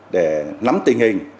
để lắm tình hình